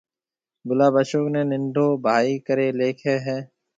گلاب اشوڪ نيَ ننڊو ڀائيَ ڪرَي ليکيَ ھيََََ